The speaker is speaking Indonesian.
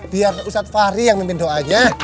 biar ustadz fahri yang memimpin doanya